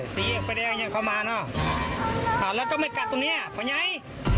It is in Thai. สีแยกไฟแดงยังเข้ามาน่ะอ่าแล้วก็ไม่กลับตรงเนี้ยพะยัย